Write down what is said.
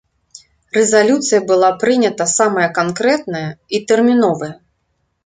Рэзалюцыя была прынята самая канкрэтная і тэрміновая.